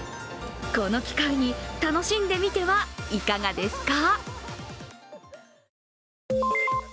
この機会に楽しんでみてはいかがですか？